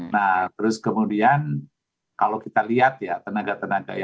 nah terus kemudian kalau kita lihat ya tenaga tenaga ya